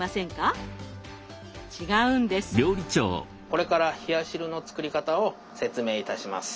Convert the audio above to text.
これから冷や汁の作り方を説明いたします。